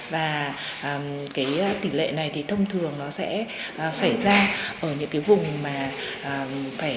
và tỷ lệ này thông thường sẽ xảy ra ở những vùng phải hạng